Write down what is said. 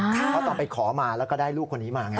เพราะตอนไปขอมาแล้วก็ได้ลูกคนนี้มาไง